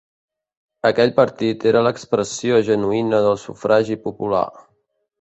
Aquell partit era l'expressió genuïna del sufragi popular.